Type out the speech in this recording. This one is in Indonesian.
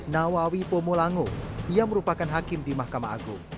nawawi pomulangu dia merupakan hakim di mahkamah agung